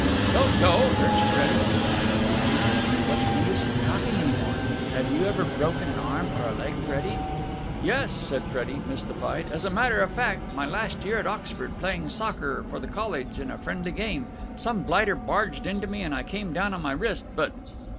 "Don't go!" urged Freddie. "Why not? What's the use of talking any more? Have you ever broken an arm or a leg, Freddie?" "Yes," said Freddie, mystified. "As a matter of fact, my last year at Oxford, playing soccer for the college in a friendly game, some blighter barged into me and I came down on my wrist. But...."